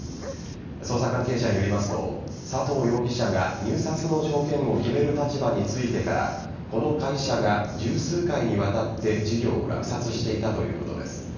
捜査関係者によりますと佐藤容疑者が入札の条件を決める立場についてからこの会社が十数回にわたって事業を落札していたということです。